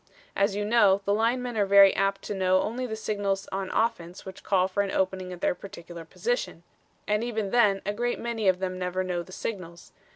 As you know, the linemen are very apt to know only the signals on offense which call for an opening at their particular position. And even then a great many of them never know the signals.